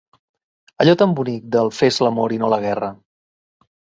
Allò tan bonic del "fes l'amor i no la guerra".